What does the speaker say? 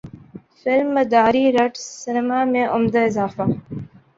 film مداری رٹ cinema میں عمدہ اضافہ